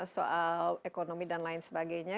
soal ekonomi dan lain sebagainya